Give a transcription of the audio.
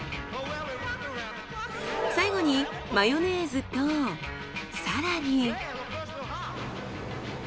最後にマヨネーズと更に。